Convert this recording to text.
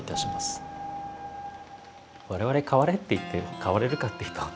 我々「変われ」って言って変われるかっていうと。